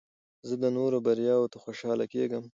زه د نورو بریاوو ته خوشحاله کېږم.